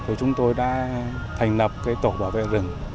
thì chúng tôi đã thành lập tổ bảo vệ rừng